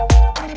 kau mau kemana